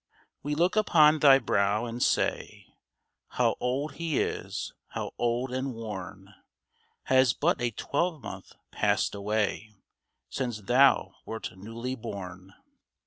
We look upon thy brow, and say, " How old he is, — how old and worn I " Has but a twelvemonth passed away Since thou wert newly born